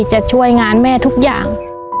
จะช่วยงานแม่ทุกอย่าง